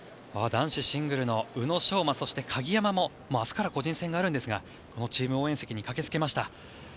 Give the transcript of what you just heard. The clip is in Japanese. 男子シングルの宇野昌磨そして鍵山も明日から個人戦があるんですがこのチーム応援席に駆けつけました。